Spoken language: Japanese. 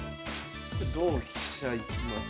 同飛車いきます。